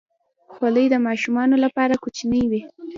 خولۍ د ماشومانو لپاره کوچنۍ وي.